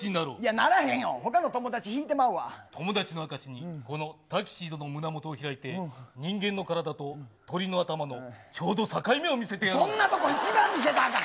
ならへんよ、ほかの友達引い友達の証しに、このタキシードの胸もとを開いて、人間の体と鳥の頭のちょうど境目そんなとこ一番見せたらあかん。